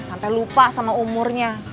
sampai lupa sama umurnya